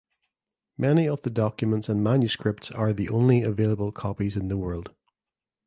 Many of the documents and manuscripts are the only available copies in the world.